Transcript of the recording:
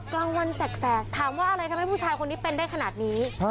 กลางวันแสกถามว่าอะไรทำให้ผู้ชายคนนี้เป็นได้ขนาดนี้